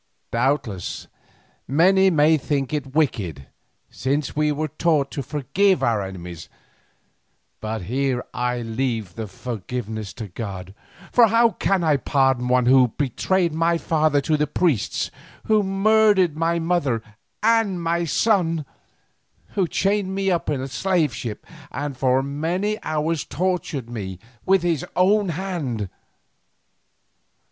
Doubtless, many may think it wicked, since we are taught to forgive our enemies, but here I leave the forgiveness to God, for how can I pardon one who betrayed my father to the priests, who murdered my mother and my son, who chained me in the slave ship and for many hours tortured me with his own hand?